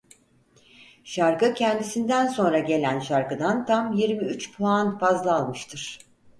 Şarkı kendisinden sonra gelen şarkıdan tam yirmi üç puan fazla almıştır.